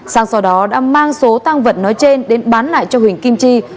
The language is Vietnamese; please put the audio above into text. sang sau đó đã mang số tăng vật nói trên đến bán lại cho huỳnh kim chi